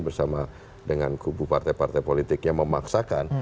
bersama dengan kubu partai partai politiknya memaksakan